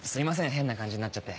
変な感じになっちゃって。